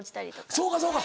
そうかそうか。